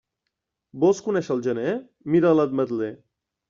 Vols conéixer el gener? Mira l'ametler.